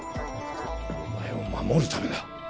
お前を守るためだ